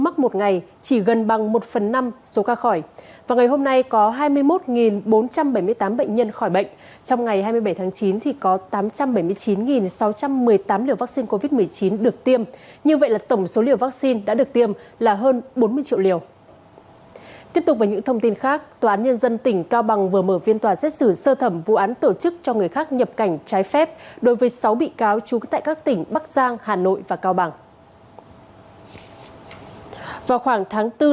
các bạn hãy đăng ký kênh để ủng hộ kênh của chúng mình nhé